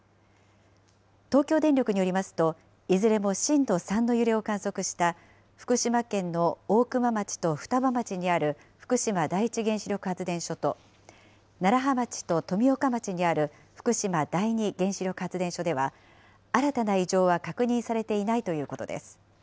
東京電力によりますと、いずれも震度３の揺れを観測した福島県の大熊町と双葉町にある福島第一原子力発電所と、楢葉町と富岡町にある福島第二原子力発電所では、新たな異常は確認されていないということです。